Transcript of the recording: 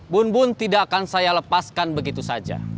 bun bun tidak akan saya lepaskan begitu saja